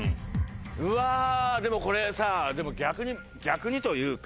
うわでもこれさ逆に逆にというか。